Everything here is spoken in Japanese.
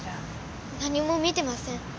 何も見てません。